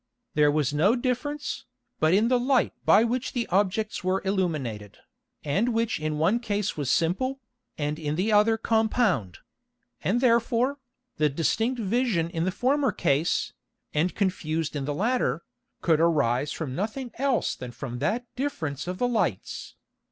There was no difference, but in the Light by which the Objects were illuminated, and which in one Case was simple, and in the other compound; and therefore, the distinct Vision in the former Case, and confused in the latter, could arise from nothing else than from that difference of the Lights.